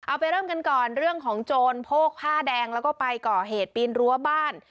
เอาไปเริ่มกันก่อนเรื่องของโจรโพกผ้าแดงแล้วก็ไปก่อเหตุปีนรั้วบ้าน